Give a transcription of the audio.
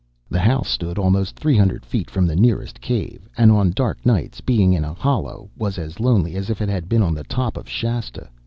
"The house stood almost three hundred feet from the nearest cave, and on dark nights, being in a hollow, was as lonely as if it had been on the top of Shasta.